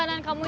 cilok kamu bed